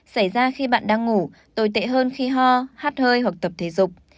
xảy ra khi bạn đang ngủ tồi tệ hơn khi ho hát hơi hoặc tập thể dục